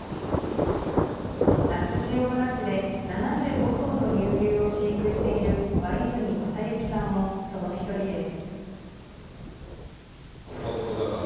那須塩原市で７５頭の乳牛を飼育している和泉正行さんもその１人です。